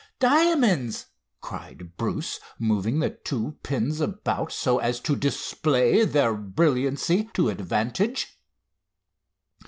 "Diamonds!" cried Bruce, moving the two pins about so as to display their brilliancy to advantage.